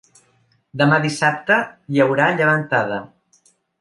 Demà dissabte hi haurà llevantada.